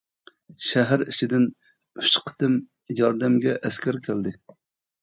شەھەر ئىچىدىن ئۈچ قېتىم ياردەمگە ئەسكەر كەلدى.